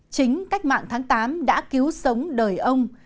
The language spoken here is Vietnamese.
chính cách mạng tháng tám đã cứu sống đời ông